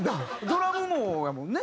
ドラムもやもんね？